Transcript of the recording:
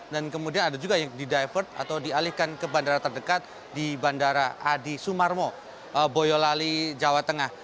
dan kemudian ada juga yang di divert atau dialihkan ke bandara terdekat di bandara adi sumarmo boyolali jawa tengah